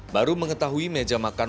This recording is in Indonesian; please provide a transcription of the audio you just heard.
baru mengetahui meja makan